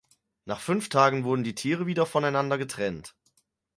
Nach fünf Tagen wurden die Tiere wieder voneinander getrennt.